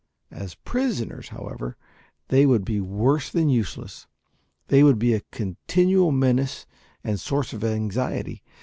As prisoners, however, they would be worse than useless; they would be a continual menace and source of anxiety.